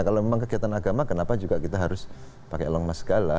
kalau memang kegiatan agama kenapa juga kita harus pakai longmas segala